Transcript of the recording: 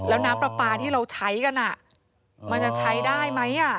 แล้วน้ำปลาปลาที่เราใช้กันมันจะใช้ได้ไหม